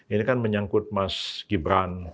ini kan menyangkut mas gibran